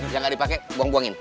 yang gak dipake buang buangin